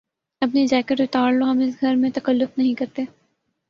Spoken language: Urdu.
اپنی جیکٹ اتار لو۔ ہم اس گھر میں تکلف نہیں کرتے